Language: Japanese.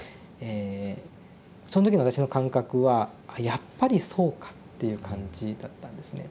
その時の私の感覚は「やっぱりそうか」っていう感じだったんですね。